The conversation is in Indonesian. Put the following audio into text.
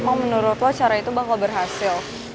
kok menurut lo acara itu bakal berhasil